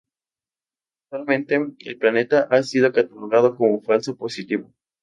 Actualmente, el planeta ha sido catalogado como falso positivo.